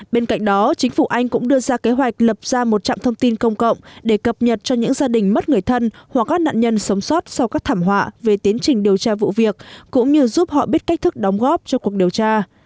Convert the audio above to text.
bên cạnh đó chính phủ anh cũng đưa ra kế hoạch lập ra một trạm thông tin công cộng để cập nhật cho những gia đình mất người thân hoặc các nạn nhân sống sót sau các thảm họa về tiến trình điều tra vụ việc cũng như giúp họ biết cách thức đóng góp cho cuộc điều tra